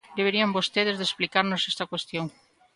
Deberían vostedes de explicarnos esta cuestión.